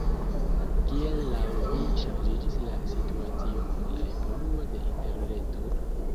Kiel laŭ vi ŝanĝiĝis la situacio kun la evoluo de interreto?